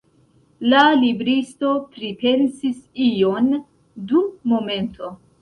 La libristo pripensis ion dum momento.